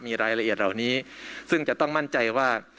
มีรายละเอียดเหล่านี้ซึ่งจะต้องมั่นใจว่า